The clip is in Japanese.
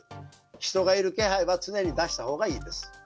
人がいる気配は常に出したほうがいいです。